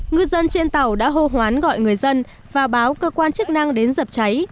ngư dân trên tàu đã hô hoán gọi người dân và báo cơ quan chức năng đến dập cháy